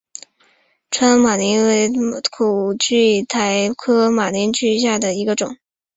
川滇马铃苣苔为苦苣苔科马铃苣苔属下的一个种。